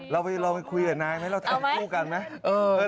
เราไปคุยกับนายไหมเราทำคู่กันไหม